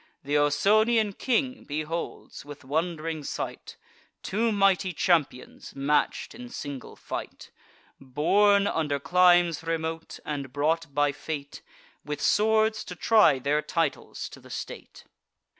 Th' Ausonian king beholds, with wond'ring sight, Two mighty champions match'd in single fight, Born under climes remote, and brought by fate, With swords to try their titles to the state.